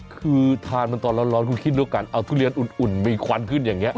คือทานมันตอนร้อนคุณคิดแล้วกันเอาทุเรียนอุ่นมีควันขึ้นอย่างนี้